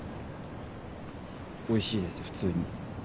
おいしいです普通に。